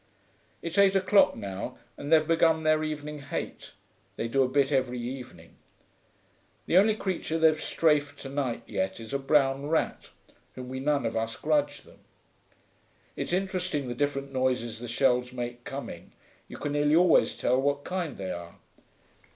It's eight o'clock now, and they've begun their evening hate; they do a bit every evening. The only creature they've strafed to night yet is a brown rat, whom we none of us grudge them. It's interesting the different noises the shells make coming; you can nearly always tell what kind they are.